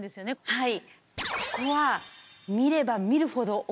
はい。